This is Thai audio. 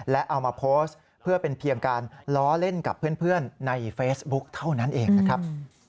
และเอามาโพสต์เพื่อเป็นเพียงการล้อเล่นกับเพื่อนในเฟซบุ๊กเท่านั้นเองนะครับ